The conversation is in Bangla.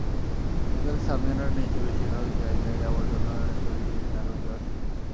ভেতরে সামিয়ানার নিচে বেশির ভাগ জায়গায়ই আবর্জনা সরিয়ে ঝাড়ু দেওয়া শেষ।